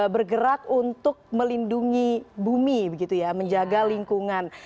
bergerak untuk melindungi bumi menjaga lingkungan